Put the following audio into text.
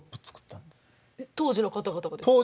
当時の方々がですか？